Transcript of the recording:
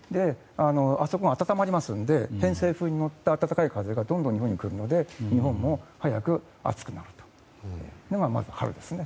あそこが暖まりますので偏西風に乗った暖かい風がどんどん日本に来るので日本も早く暑くなるというのが春ですね。